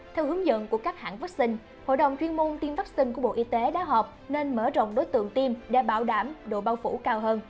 theo hướng dẫn của các hãng vaccine hội đồng chuyên môn tiêm vaccine của bộ y tế đã họp nên mở rộng đối tượng tiêm để bảo đảm độ bao phủ cao hơn